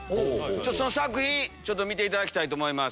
その作品見ていただきたいと思います。